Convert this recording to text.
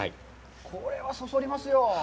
これはそそりますよ。